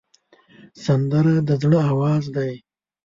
سندره د زړه آواز دی